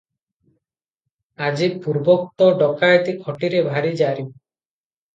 ଆଜି ପୂର୍ବୋକ୍ତ ଡକାଏତି ଖଟିରେ ଭାରି ଜାରି ।